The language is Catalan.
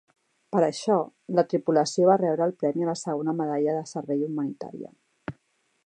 Per això, la tripulació va rebre el premi a la segona Medalla de Servei Humanitària.